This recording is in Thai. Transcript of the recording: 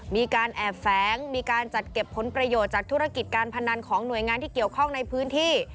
มีการแอบแฝงมีการจัดเก็บผลประโยชน์จากธุรกิจการพนันของหน่วยงานที่เกี่ยวข้องในพื้นที่